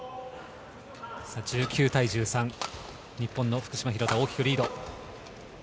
１９対１３、日本の福島・廣田大きくリード。